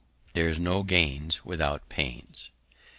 _ _There are no Gains without Pains.